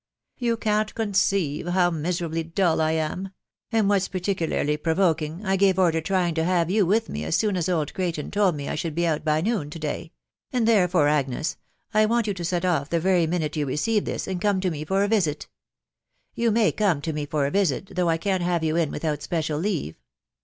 You can't conceive how miserably dull I am ; and what's particularly provoking, I gave over trying to have you in with me as soon as old Crayton told me I should be out by noon to day ; and therefore, Agnes, I want you to set off the very minute you receive this, and come to me for a visit. Y^u may come to me for a visit, though I can't have you in without special leave.